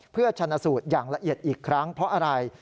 เพื่อชนะสูตรอย่างละเอียดอีกครั้งเพราะอะไร